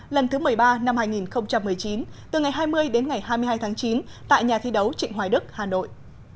lần thứ một mươi ba năm hai nghìn một mươi chín từ ngày hai mươi đến ngày hai mươi hai tháng chín tại nhà thi đấu trịnh hoài đức hà nội